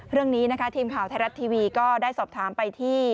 เรื่องนี้นะคะทีมข่าวไทยรัฐทีวีก็ได้สอบถามไปที่